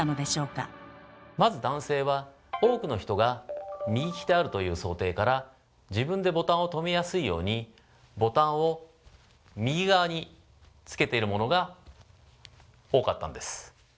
まず男性は多くの人が右利きであるという想定から自分でボタンを留めやすいようにボタンを右側に付けているものが多かったんです。